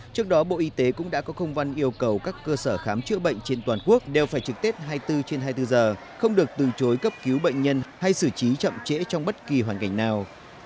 trước đó bộ y tế cũng đã có công văn yêu cầu các cơ sở khám chữa bệnh trên toàn quốc đều phải trực tết hai mươi bốn trên hai mươi bốn giờ không được từ chối cấp cứu bệnh nhân hay xử trí chậm trễ trong bất kỳ hoàn cảnh nào